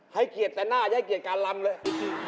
ให้เกลียดแต่หน้ายังให้เกลียดกามลำเลย